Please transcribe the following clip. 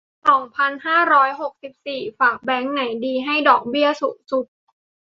สองพันห้าร้อยหกสิบสี่ ฝากแบงก์ไหนดี ให้ดอกเบี้ยสูงสุด